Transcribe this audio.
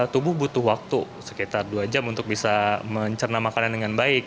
tubuh butuh waktu sekitar dua jam untuk bisa mencerna makanan dengan baik